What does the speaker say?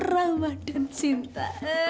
ramah dan cinta